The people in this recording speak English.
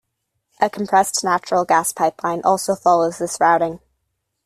A compressed natural gas pipeline also follows this routing.